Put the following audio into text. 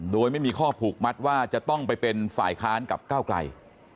โดยไม่มีข้อผูกมัดว่าจะต้องไปเป็นฝ่ายค้านกับก้าวไกล